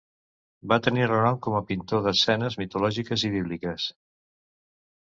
Va tenir renom com a pintor d'escenes mitològiques i bíbliques.